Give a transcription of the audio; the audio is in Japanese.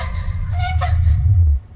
お姉ちゃん！